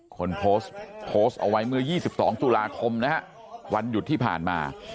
คนโพสต์โพสต์เอาไว้เมื่อ๒๒ตุลาคมนะฮะวันหยุดที่ผ่านมา